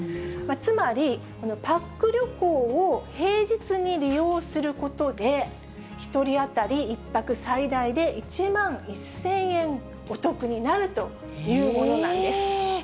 つまり、パック旅行を平日に利用することで、１人当たり１泊、最大で１万１０００円お得になるというものえー！